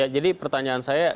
jadi pertanyaan saya